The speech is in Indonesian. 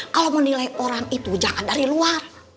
kalau menilai orang itu jangan dari luar